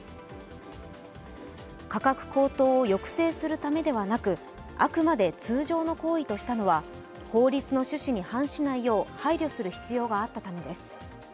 価格高騰を抑制するためではなくあくまで通常の行為としたのは、法律の趣旨に反しないよう配慮する必要があったためです。